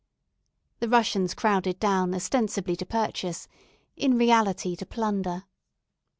The Russians crowded down ostensibly to purchase, in reality to plunder.